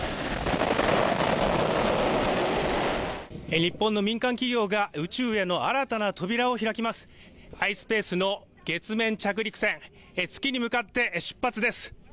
日本の民間企業が宇宙への新たな扉を開きますｉｓｐａｃｅの月面着陸船、月に向かって出発です。